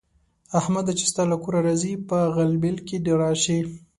احمده! چې ستا له کوره راځي؛ په غلبېل کې دې راشي.